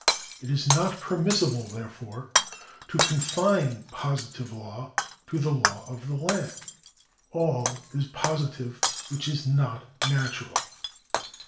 It is not permissible, therefore, to confine positive law to the law of the land. All is positive which is not natural.